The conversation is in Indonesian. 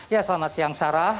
ya selamat siang sarah